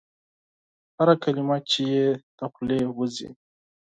هره کلمه چي یې د خولې وزي ؟